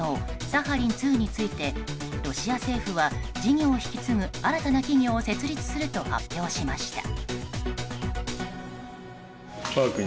サハリン２についてロシア政府は、事業を引き継ぐ新たな企業を設立すると発表しました。